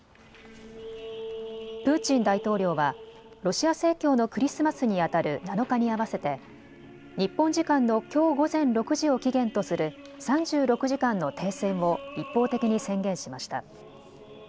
プーチン大統領はロシア正教のクリスマスにあたる７日に合わせて日本時間のきょう午前６時を期限とする３６時間の停戦を一方的に宣言しました。